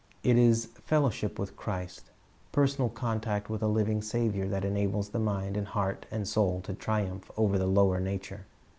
It is fellowship with Christ, personal contact with a living Saviour, that enables the mind and heart and soul to triumph over the lower nature.